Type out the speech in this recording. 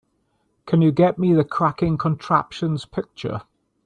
Can you get me the Cracking Contraptions picture?